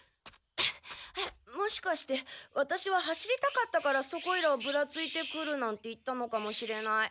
もしかしてワタシは走りたかったからそこいらをぶらついてくるなんて言ったのかもしれない。